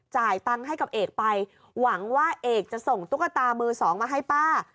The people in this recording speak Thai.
จ่ายตังค์ให้กับเอกไปหวังว่าเอกจะส่งตุ๊กตามือสองมาให้ป้า